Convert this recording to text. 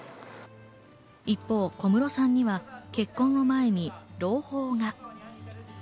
一方、小室さんには結婚を前に朗報が。